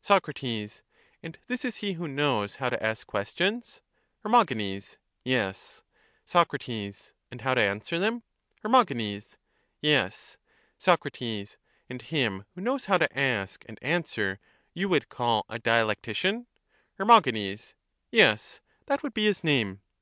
Soc. And this is he who knows how to ask questions? Her. Yes. Soc. And how to answer them? Her. Yes. Soc. And him who knows how to ask and answer you would call a dialectician? Her. Yes ; that would be his name.